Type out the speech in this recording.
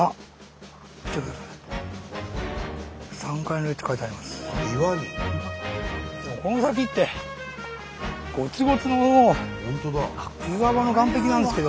でもこの先ってゴツゴツの岩場の岩壁なんですけど。